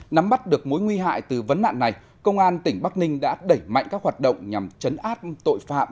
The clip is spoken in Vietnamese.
nắm bắt được mối nguy hại từ vấn nạn này công an tỉnh bắc ninh đã đẩy mạnh các hoạt động nhằm chấn áp tội phạm